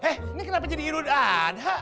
eh ini kenapa jadi irud ada